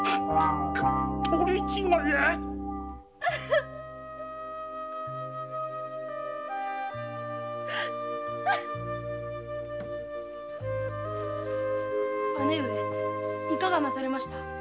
取り違え⁉姉上いかがなされました。